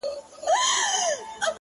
راډيو!!